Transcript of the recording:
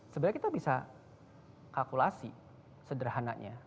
sebenarnya kita bisa kalkulasi sederhananya